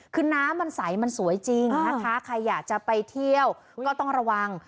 คือน้ำมันใสมันสวยจริงนะคะใครอยากจะไปเที่ยวก็ต้องระวัง